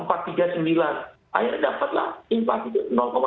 akhirnya dapatlah inflasi itu delapan puluh enam